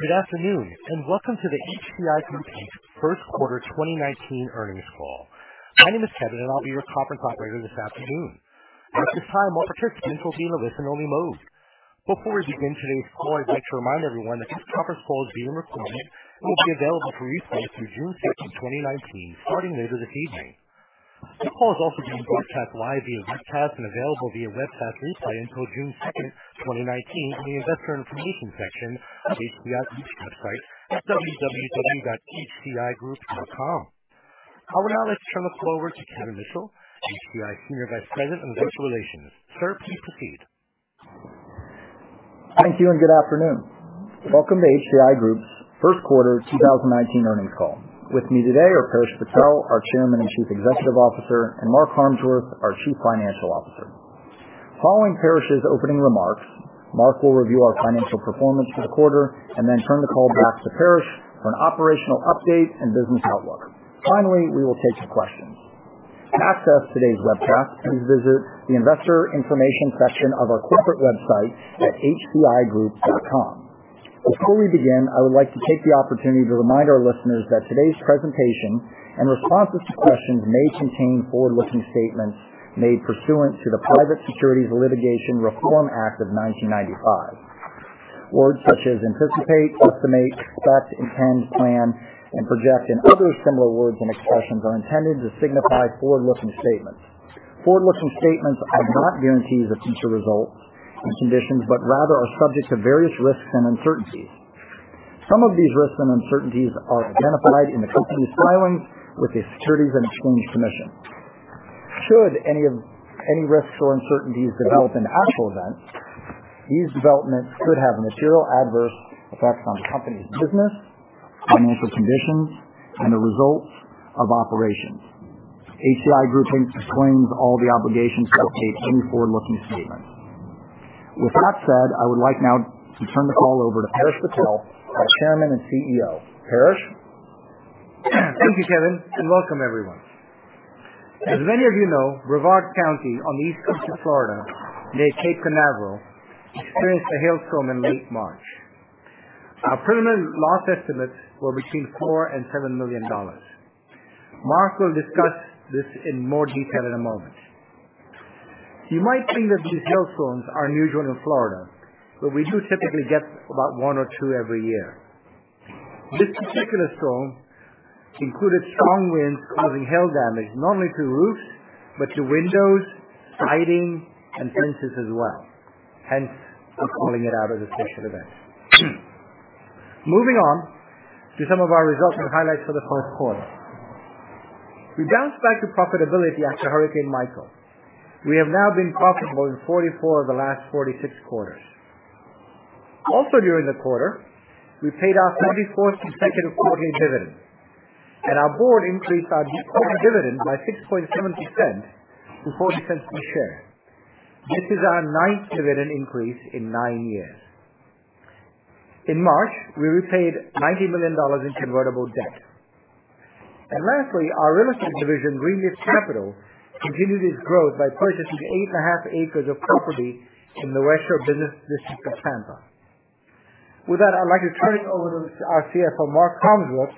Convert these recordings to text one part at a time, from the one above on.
Good afternoon, welcome to the HCI Group Inc. First Quarter 2019 Earnings Call. My name is Kevin, and I'll be your conference operator this afternoon. At this time, all participants will be in a listen-only mode. Before we begin today's call, I'd like to remind everyone that this conference call is being recorded and will be available for replay through June 2, 2019, starting later this evening. This call is also being broadcast live via webcast and available via webcast replay until June 2, 2019, in the Investor Information section of HCI Group's website at www.hcigroup.com. I would now like to turn the call over to Kevin Mitchell, HCI Senior Vice President of Investor Relations. Sir, please proceed. Thank you, good afternoon. Welcome to HCI Group's first quarter 2019 earnings call. With me today are Paresh Patel, our Chairman and Chief Executive Officer, and Mark Harmsworth, our Chief Financial Officer. Following Paresh's opening remarks, Mark will review our financial performance for the quarter and then turn the call back to Paresh for an operational update and business outlook. Finally, we will take some questions. To access today's webcast, please visit the Investor Information section of our corporate website at hcigroup.com. Before we begin, I would like to take the opportunity to remind our listeners that today's presentation and responses to questions may contain forward-looking statements made pursuant to the Private Securities Litigation Reform Act of 1995. Words such as anticipate, estimate, expect, intend, plan, and project, and other similar words and expressions are intended to signify forward-looking statements. Forward-looking statements are not guarantees of future results and conditions but rather are subject to various risks and uncertainties. Some of these risks and uncertainties are identified in the company's filings with the Securities and Exchange Commission. Should any risks or uncertainties develop into actual events, these developments could have a material adverse effect on the company's business, financial conditions, and the results of operations. HCI Group Inc. disclaims all the obligations that relate to any forward-looking statement. With that said, I would like now to turn the call over to Paresh Patel, our Chairman and CEO. Paresh? Thank you, Kevin, welcome everyone. As many of you know, Brevard County on the east coast of Florida near Cape Canaveral experienced a hailstorm in late March. Our preliminary loss estimates were between $4 million and $7 million. Mark will discuss this in more detail in a moment. You might think that these hailstorms are unusual in Florida, but we do typically get about one or two every year. This particular storm included strong winds causing hail damage not only to roofs, but to windows, siding, and fences as well, hence us calling it out as a special event. Moving on to some of our results and highlights for the first quarter. We bounced back to profitability after Hurricane Michael. We have now been profitable in 44 of the last 46 quarters. Also during the quarter, we paid our 34th consecutive quarterly dividend, and our board increased our quarterly dividend by 6.7% to $0.40 per share. This is our ninth dividend increase in nine years. In March, we repaid $90 million in convertible debt. Lastly, our real estate division, Greenleaf Capital, continued its growth by purchasing eight and a half acres of property in the West Shore business district of Tampa. With that, I'd like to turn it over to our CFO, Mark Harmsworth,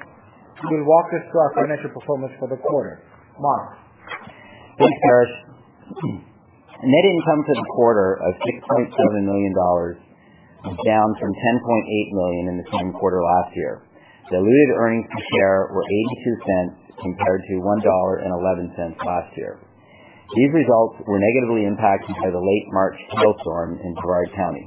who will walk us through our financial performance for the quarter. Mark? Thanks, Paresh. Net income for the quarter of $6.7 million, down from $10.8 million in the same quarter last year. Diluted earnings per share were $0.82 compared to $1.11 last year. These results were negatively impacted by the late March hailstorm in Brevard County.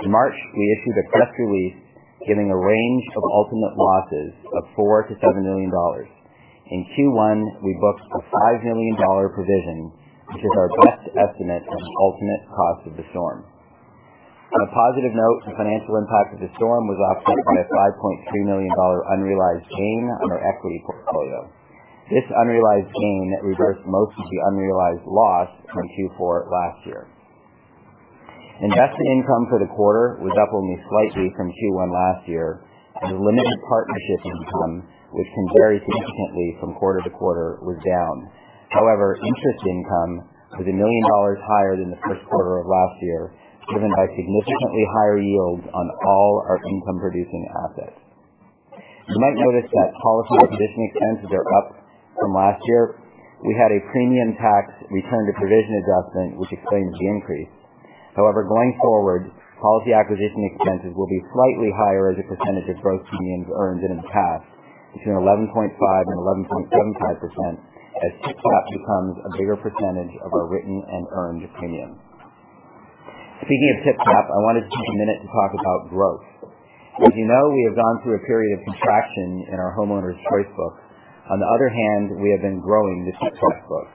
In March, we issued a press release giving a range of ultimate losses of $4 million to $7 million. In Q1, we booked a $5 million provision, which is our best estimate on the ultimate cost of the storm. On a positive note, the financial impact of the storm was offset by a $5.3 million unrealized gain on our equity portfolio. This unrealized gain reversed most of the unrealized loss from Q4 last year. Investment income for the quarter was up only slightly from Q1 last year. Limited partnership income, which can vary significantly from quarter to quarter, was down. However, interest income was $1 million higher than the first quarter of last year, driven by significantly higher yields on all our income-producing assets. You might notice that policy acquisition expenses are up from last year. We had a premium tax return to provision adjustment, which explains the increase. However, going forward, policy acquisition expenses will be slightly higher as a percentage of gross premiums earned than in the past, between 11.5%-11.75%, as TypTap becomes a bigger percentage of our written and earned premium. Speaking of TypTap, I wanted to take a minute to talk about growth. As you know, we have gone through a period of contraction in our Homeowners Choice book. On the other hand, we have been growing the TypTap book.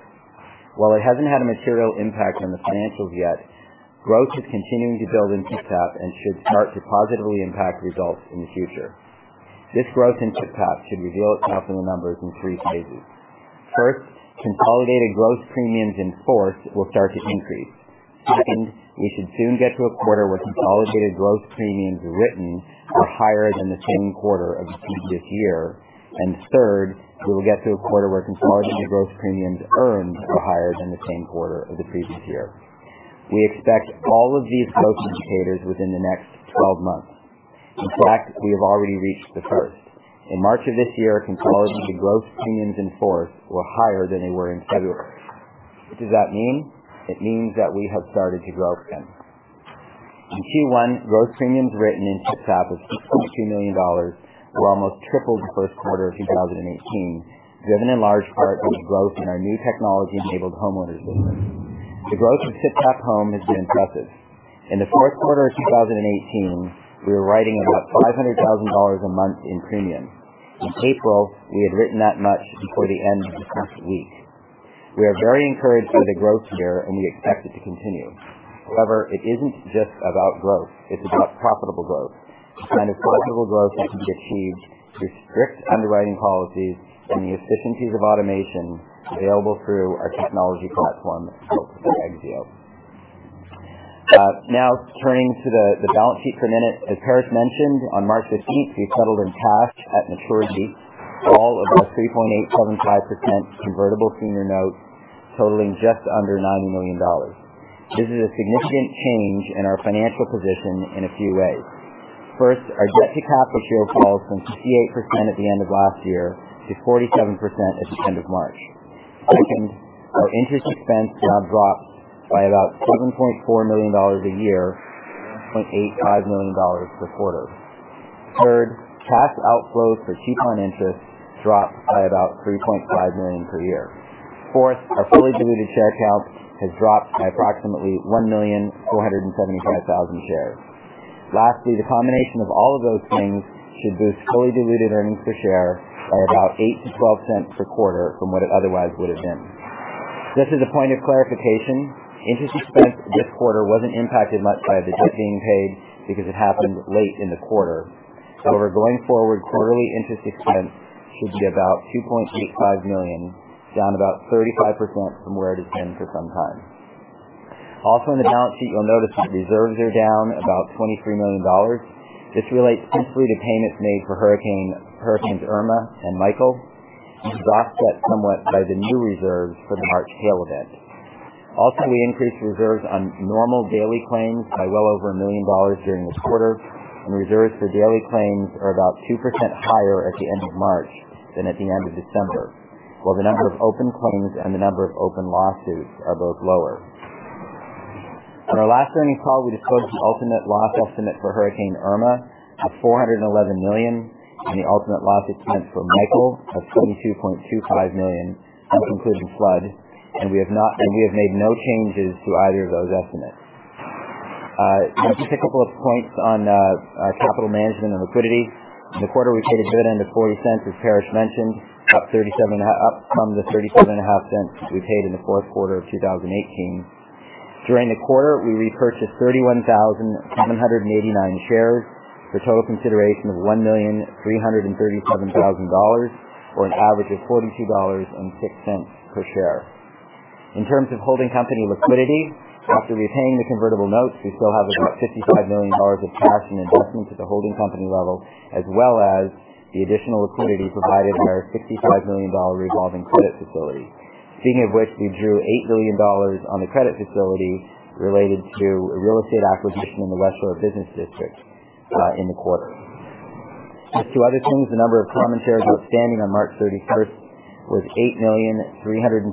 While it hasn't had a material impact on the financials yet, growth is continuing to build in TypTap and should start to positively impact results in the future. This growth in TypTap should reveal itself in the numbers in three phases. First, consolidated gross premiums in force will start to increase. Second, we should soon get to a quarter where consolidated gross premiums written are higher than the same quarter of the previous year. Third, we will get to a quarter where consolidated gross premiums earned are higher than the same quarter of the previous year. We expect all of these growth indicators within the next 12 months. In fact, we have already reached the first. In March of this year, comparisons of gross premiums in force were higher than they were in February. What does that mean? It means that we have started to grow again. In Q1, gross premiums written in TypTap of $6.2 million were almost triple the first quarter of 2018, driven in large part by the growth in our new technology-enabled homeowners business. The growth of TypTap Home has been impressive. In the fourth quarter of 2018, we were writing about $500,000 a month in premiums. In April, we had written that much before the end of the current week. We are very encouraged by the growth here and we expect it to continue. However, it isn't just about growth, it's about profitable growth. It's profitable growth that can be achieved through strict underwriting policies and the efficiencies of automation available through our technology platform built with Exzeo. Now turning to the balance sheet for a minute. As Paresh mentioned, on March 15th, we settled in cash at maturity all of our 3.875% convertible senior notes totaling just under $90 million. This is a significant change in our financial position in a few ways. First, our debt-to-capital ratio fell from 68% at the end of last year to 47% at the end of March. Second, our interest expense now drops by about $7.4 million a year, $0.85 million per quarter. Third, cash outflows for coupon interest dropped by about $3.5 million per year. Fourth, our fully diluted share count has dropped by approximately 1,475,000 shares. Lastly, the combination of all of those things should boost fully diluted earnings per share by about $0.08-$0.12 per quarter from what it otherwise would have been. Just as a point of clarification, interest expense this quarter wasn't impacted much by the debt being paid because it happened late in the quarter. However, going forward, quarterly interest expense should be about $2.85 million, down about 35% from where it has been for some time. Also on the balance sheet, you'll notice that reserves are down about $23 million. This relates principally to payments made for Hurricane Irma and Hurricane Michael. This is offset somewhat by the new reserves for the March hail event. Also, we increased reserves on normal daily claims by well over a million dollars during this quarter. Reserves for daily claims are about 2% higher at the end of March than at the end of December while the number of open claims and the number of open lawsuits are both lower. On our last earnings call, we disclosed the ultimate loss estimate for Hurricane Irma of $411 million. The ultimate loss estimate for Hurricane Michael of $72.25 million. That includes the flood. We have made no changes to either of those estimates. Just a couple of points on our capital management and liquidity. In the quarter, we paid a dividend of $0.40, as Paresh mentioned, up from the $0.375 we paid in the fourth quarter of 2018. During the quarter, we repurchased 31,189 shares for total consideration of $1,337,000, or an average of $42.06 per share. In terms of holding company liquidity, after repaying the Convertible Notes, we still have about $55 million of cash and investments at the holding company level, as well as the additional liquidity provided by our $65 million revolving credit facility. Speaking of which, we drew $8 million on the credit facility related to a real estate acquisition in the West Shore business district in the quarter. Just two other things. The number of common shares outstanding on March 31st was 8,359,889,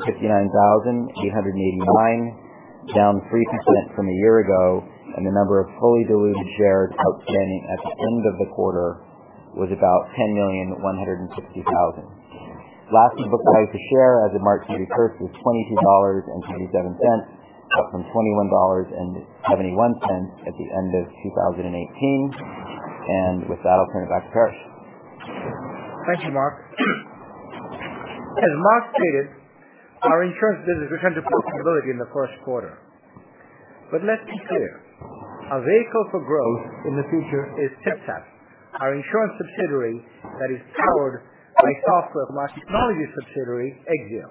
down 3% from a year ago, and the number of fully diluted shares outstanding at the end of the quarter was about 10,160,000. Lastly, book value per share as of March 31st was $22.27, up from $21.71 at the end of 2018. With that, I'll turn it back to Paresh. Thank you, Mark. As Mark stated, our insurance business returned to profitability in the first quarter. Let's be clear, our vehicle for growth in the future is TypTap, our insurance subsidiary that is powered by software from our technology subsidiary, Exzeo.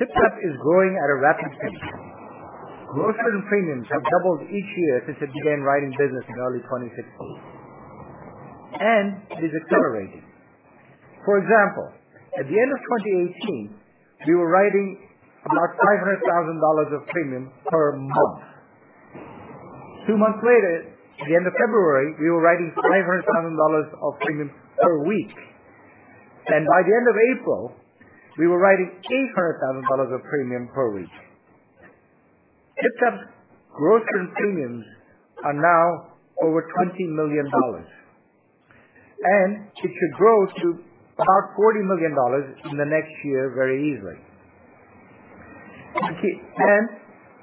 TypTap is growing at a rapid pace. Gross written premiums have doubled each year since it began writing business in early 2016, and it is accelerating. For example, at the end of 2018, we were writing about $500,000 of premium per month. Two months later, at the end of February, we were writing $500,000 of premium per week, and by the end of April, we were writing $800,000 of premium per week. TypTap's gross written premiums are now over $20 million, and it should grow to about $40 million in the next year very easily.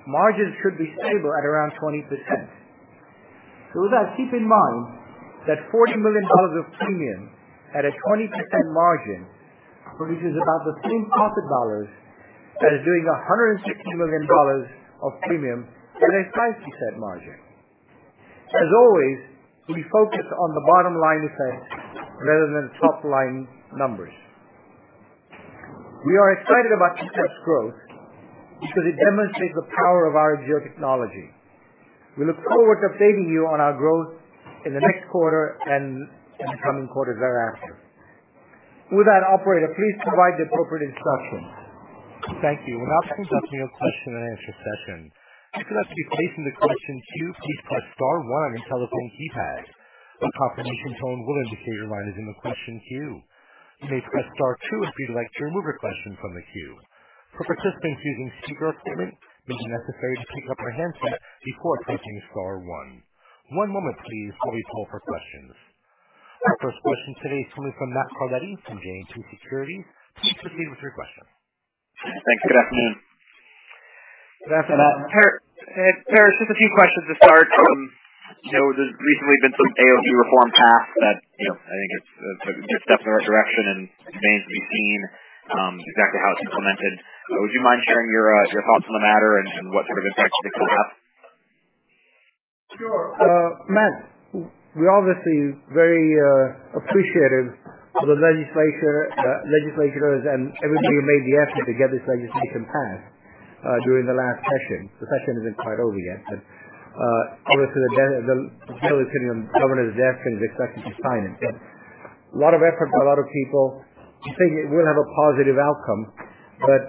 Margins should be stable at around 20%. With that, keep in mind that $40 million of premium at a 20% margin produces about the same profit dollars as doing $160 million of premium with a 5% margin. As always, we focus on the bottom-line effect rather than top-line numbers. We are excited about TypTap's growth because it demonstrates the power of our Exzeo technology. We look forward to updating you on our growth in the next quarter and in the coming quarters thereafter. With that, operator, please provide the appropriate instructions. Thank you. We're now accepting your question-and-answer session. You can actually place in the question queue, please press star one on your telephone keypad. A confirmation tone will indicate your line is in the question queue. You may press star two if you'd like to remove a question from the queue. For participants using speakerphone, it may be necessary to pick up your handset before pressing star one. One moment please, while we poll for questions. Our first question today is coming from Matthew Carletti from JMP Securities. Please proceed with your question. Thanks. Good afternoon. Good afternoon. Paresh, just a few questions to start. There's recently been some AOB reform passed that I think it's a step in the right direction, and remains to be seen exactly how it's implemented. Would you mind sharing your thoughts on the matter and what sort of impact you think it'll have? Sure. Matt, we're obviously very appreciative of the legislators and everybody who made the effort to get this legislation passed during the last session. The session isn't quite over yet, but obviously the bill is sitting on the governor's desk and is expecting to sign it. A lot of effort by a lot of people. I think it will have a positive outcome, but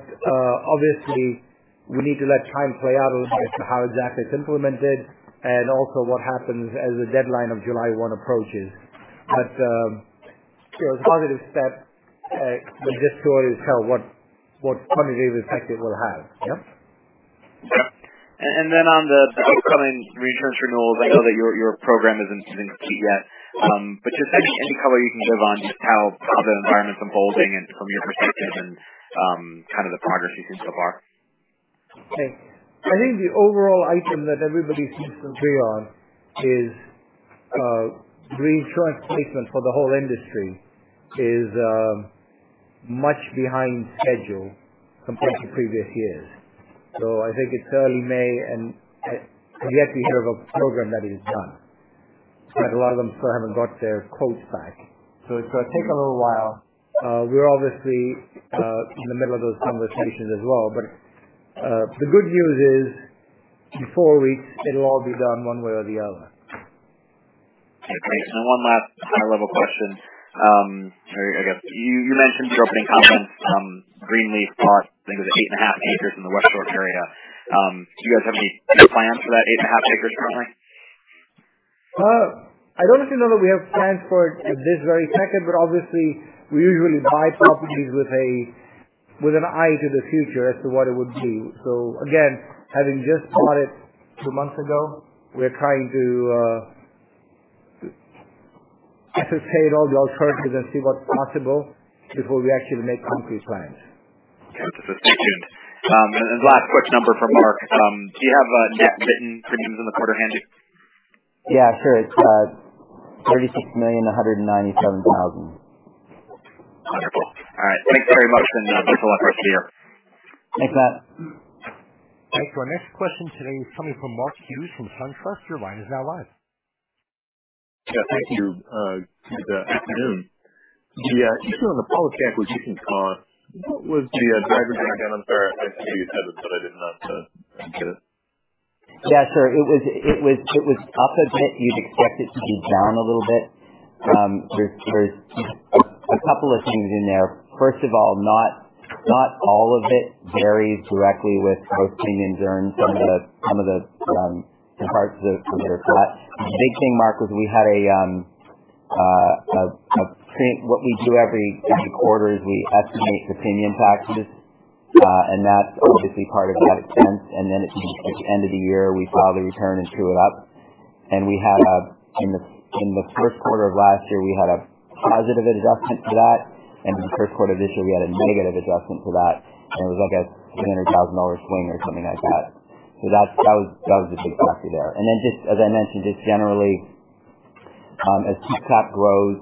obviously we need to let time play out a little bit to how exactly it's implemented and also what happens as the deadline of July one approaches. Sure, it's a positive step. The story is how, what quantitative effect it will have. Yeah. On the upcoming reinsurance renewals, I know that your program isn't complete yet. Just any color you can give on just how the environment's unfolding from your perspective and the progress you've seen so far. Okay. I think the overall item that everybody seems to agree on is reinsurance placement for the whole industry is much behind schedule compared to previous years. I think it's early May and I've yet to hear of a program that is done. In fact, a lot of them still haven't got their quotes back. It's going to take a little while. We're obviously in the middle of those conversations as well. The good news is in four weeks it'll all be done one way or the other. Okay, great. One last high level question. You mentioned in your opening comments, Greenleaf bought, I think it was eight and a half acres in the West Shore area. Do you guys have any plans for that eight and a half acres currently? I don't think, though, that we have plans for it at this very second, obviously we usually buy properties with an eye to the future as to what it would be. Again, having just bought it two months ago, we're trying to entertain all the alternatives and see what's possible before we actually make concrete plans. Okay. Stay tuned. Last quick number from Mark. Do you have written premiums in the quarter handy? Yeah, sure. It's $36 million, 197,000. Wonderful. All right. Thanks very much, and best of luck rest of the year. Thanks, Matt. Thanks. Our next question today is coming from Mark Hughes from SunTrust. Your line is now live. Yeah, thank you. Good afternoon. Just on the policy acquisition cost, what was the driver there again? I'm sorry. I think you said it, but I did not get it. Yeah, sure. It was up a bit. You'd expect it to be down a little bit. There's a couple of things in there. First of all, not all of it varies directly with both premium and earn. Some of the parts of it are flat. Big thing, Mark, was we had a thing. What we do every quarter is we estimate the premium taxes. That's obviously part of that expense. Then at the end of the year, we file the return and true it up. In the first quarter of last year, we had a positive adjustment to that. In the first quarter of this year, we had a negative adjustment to that. It was like a $700,000 swing or something like that. That was the big factor there. Then just as I mentioned, just generally, as TypTap grows,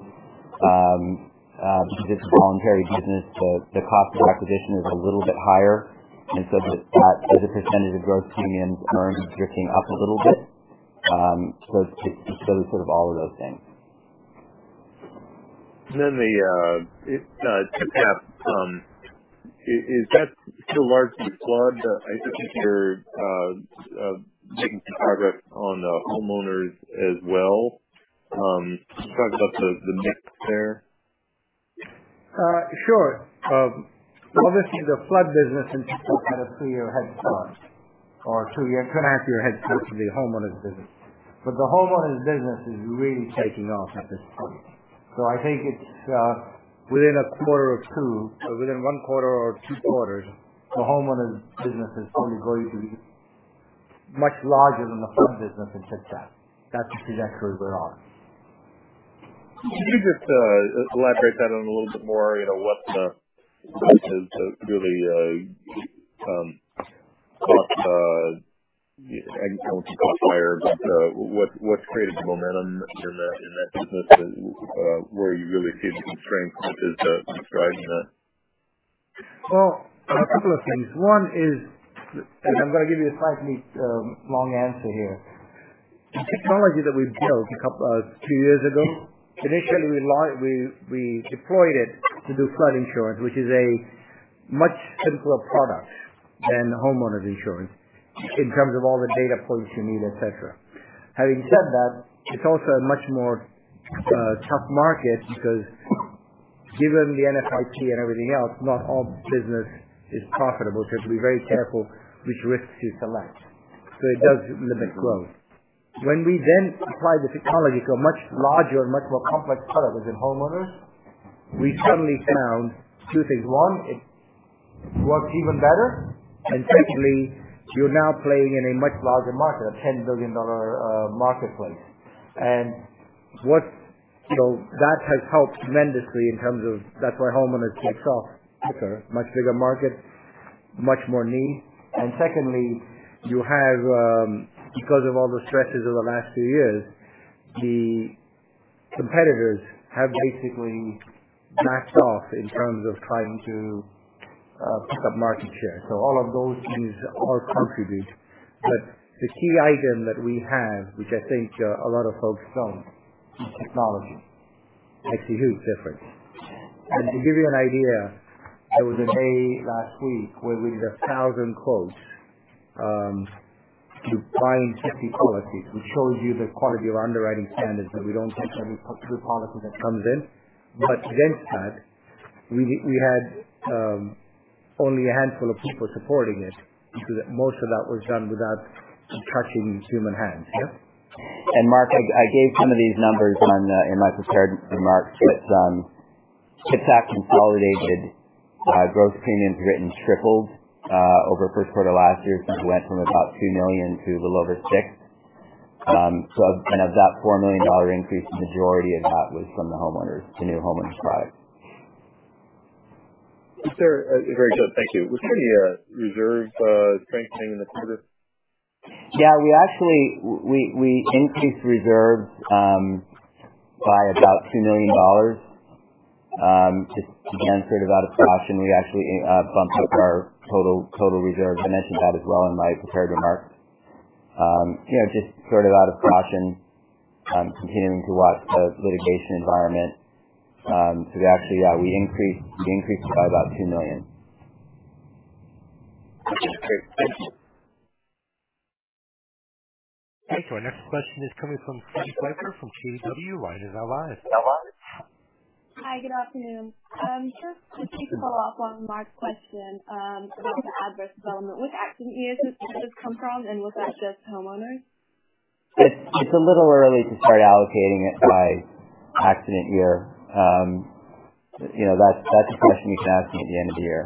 because it's voluntary business, the cost of acquisition is a little bit higher. As a percentage of gross premiums earned is drifting up a little bit. It's really sort of all of those things. The TypTap. Is that still largely flood? I think I heard you making progress on homeowners as well. Can you talk about the mix there? Sure. Obviously the flood business in TypTap is going to have a 3-year head start to the homeowners business. The homeowners business is really taking off at this point. I think it's within 1 quarter or 2 quarters, the homeowners business is going to be much larger than the flood business in TypTap. That's just the actuals there are. Can you just elaborate that on a little bit more? What has really caught, I don't want to say caught fire, but what's created the momentum in that business that where you really see the strength that is driving that? Well, a couple of things. One is, and I'm going to give you a slightly long answer here. The technology that we built 2 years ago, initially we deployed it to do flood insurance, which is a much simpler product than the homeowners insurance in terms of all the data points you need, et cetera. Having said that, it's also a much more tough market because given the NFIP and everything else, not all business is profitable. You have to be very careful which risks you select. It does limit growth. When we then apply the technology to a much larger and much more complex product as in homeowners, we suddenly found 2 things. One, it works even better, and secondly, you're now playing in a much larger market, a $10 billion marketplace. That has helped tremendously in terms of that's why homeowners takes off quicker, much bigger market, much more need. Secondly, because of all the stresses of the last few years, the competitors have basically maxed off in terms of trying to pick up market share. All of those things all contribute. The key item that we have, which I think a lot of folks don't, is technology. Makes a huge difference. To give you an idea, there was a day last week where we did 1,000 quotes, to bind 50 policies, which shows you the quality of our underwriting standards, that we don't take every single policy that comes in. Against that, we had only a handful of people supporting it. Most of that was done without touching human hands. Mark, I gave some of these numbers in my prepared remarks, TypTap consolidated growth premiums written tripled over first quarter last year since it went from about $2 million to little over $6 million. Of that $4 million increase, the majority of that was from the new homeowners product. Very good. Thank you. Was there any reserve strengthening in the quarter? We increased reserves by about $2 million. Just again, sort of out of caution, we actually bumped up our total reserve. I mentioned that as well in my prepared remarks. Just sort of out of caution, continuing to watch the litigation environment. Actually, we increased it by about $2 million. Okay, great. Thank you. Thank you. Our next question is coming from Freddie Weber from TDW. Line is now live. Hi, good afternoon. Just to follow up on Mark's question about the adverse development, which accident years does this come from, and was that just homeowners? It's a little early to start allocating it by accident year. That's a question you should ask me at the end of the year.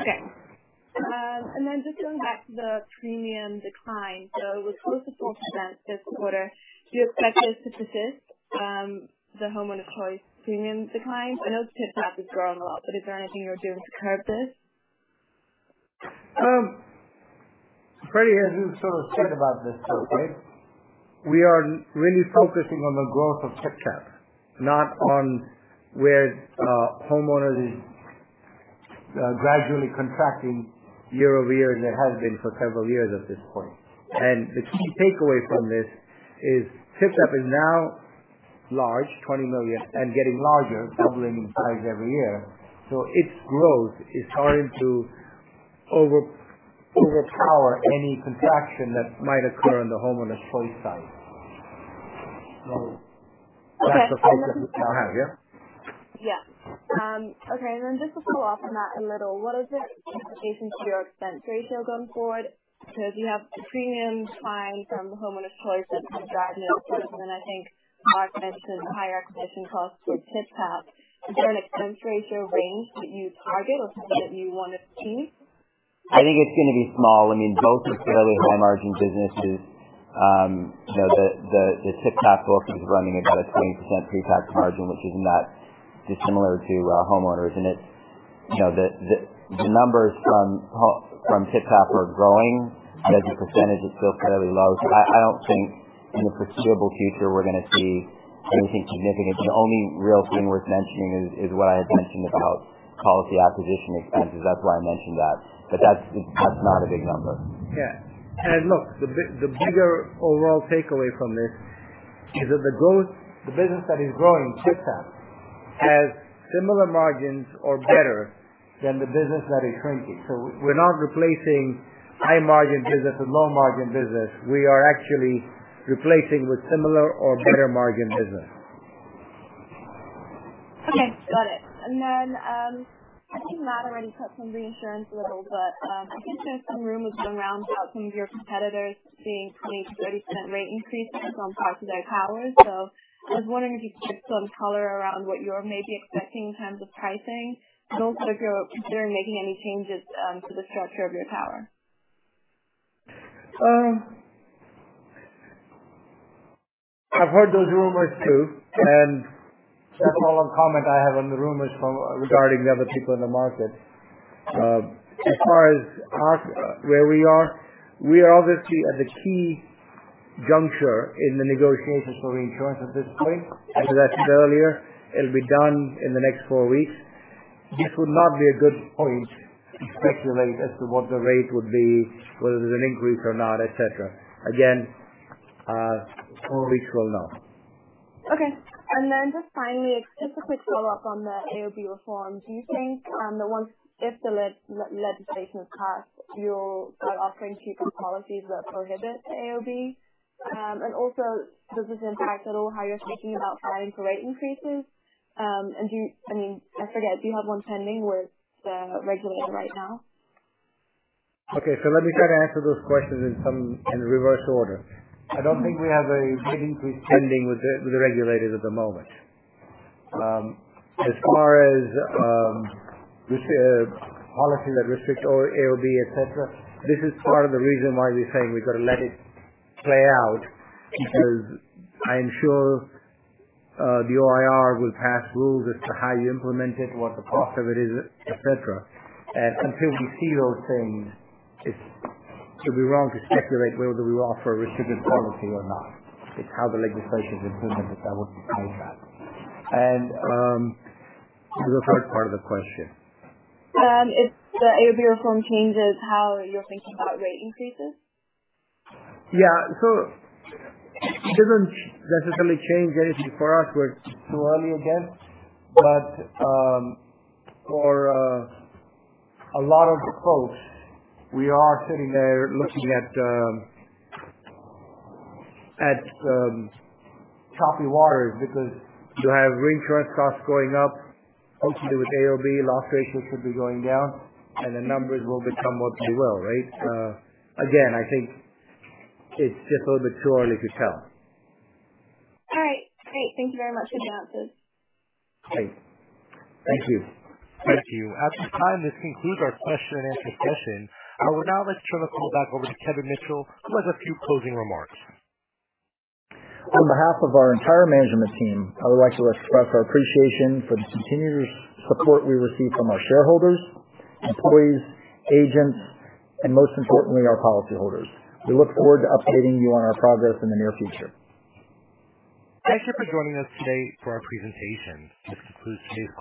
Okay. Then just going back to the premium decline, it was close to 4% this quarter. Do you expect this to persist, the Homeowners Choice premium decline? I know TypTap has grown a lot, is anything you're doing to curb this? Freddie, as we sort of said about this too, right? We are really focusing on the growth of TypTap, not on where Homeowners Choice is gradually contracting year-over-year, and it has been for several years at this point. The key takeaway from this is TypTap is now large, $20 million, and getting larger, doubling in size every year. Its growth is starting to overpower any contraction that might occur on the Homeowners Choice side. Okay. That's the takeaway we have. Yeah? Yeah. Okay. Then just to follow up on that a little, what is the implication to your expense ratio going forward? Because you have premium decline from the Homeowners Choice that's been dragging it. Then I think Mark mentioned higher acquisition costs with TypTap. Is there an expense ratio range that you target or something that you want to see? I think it's going to be small. Both are fairly high margin businesses. The TypTap book is running about a 20% pretax margin, which is not dissimilar to homeowners. The numbers from TypTap are growing, but as a percentage, it's still fairly low. I don't think in the foreseeable future we're going to see anything significant. The only real thing worth mentioning is what I had mentioned about policy acquisition expenses. That's why I mentioned that. That's not a big number. Yeah. Look, the bigger overall takeaway from this is that the business that is growing, TypTap, has similar margins or better than the business that is shrinking. We're not replacing high margin business with low margin business. We are actually replacing with similar or better margin business. Okay. Got it. I think Matt already touched on reinsurance a little, but I think there's some rumors around about some of your competitors seeing 20%-30% rate increases on parts of their towers. I was wondering if you could give some color around what you're maybe expecting in terms of pricing. Also if you're considering making any changes to the structure of your tower. I've heard those rumors too. That's the only comment I have on the rumors regarding the other people in the market. As far as where we are, we are obviously at the key juncture in the negotiations for reinsurance at this point. As I said earlier, it'll be done in the next four weeks. This would not be a good point to speculate as to what the rate would be, whether there's an increase or not, et cetera. Again, four weeks from now. Okay. Just finally, just a quick follow-up on the AOB reform. Do you think that once, if the legislation is passed, you'll start offering cheaper policies that prohibit AOB? Does this impact at all how you're thinking about filing for rate increases? I forget, do you have one pending with the regulator right now? Okay. Let me try to answer those questions in reverse order. I don't think we have a rate increase pending with the regulators at the moment. As far as policies that restrict AOB, et cetera, this is part of the reason why we're saying we've got to let it play out, because I am sure the OIR will pass rules as to how you implement it, what the cost of it is, et cetera. Until we see those things, it would be wrong to speculate whether we offer a restricted policy or not. It's how the legislation is implemented that will determine that. The third part of the question. If the AOB reform changes how you're thinking about rate increases. Yeah. It doesn't necessarily change anything for us. We're too early again. For a lot of folks, we are sitting there looking at choppy waters because you have reinsurance costs going up, hopefully with AOB loss ratios will be going down, and the numbers will become what they will, right? Again, I think it's just a little bit too early to tell. All right. Great. Thank you very much for the answers. Okay. Thank you. Thank you. At this time, this concludes our question and answer session. I would now like to turn the call back over to Kevin Mitchell, who has a few closing remarks. On behalf of our entire management team, I would like to express our appreciation for the continued support we receive from our shareholders, employees, agents, and most importantly, our policyholders. We look forward to updating you on our progress in the near future. Thank you for joining us today for our presentation. This concludes today's call.